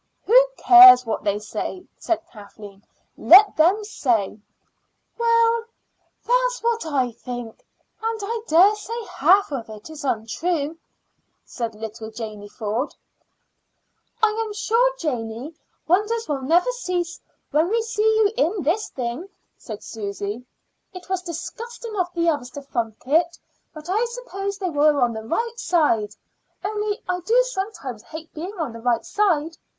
"Who cares what they say?" said Kathleen. "Let them say." "Well, that's what I think; and I dare say half of it is untrue," said little Janey Ford. "I am sure, Janey, wonders will never cease when we see you in this thing," said Susy. "It was disgusting of the others to funk it. But I suppose they were on the right side; only I do sometimes hate being on the right side.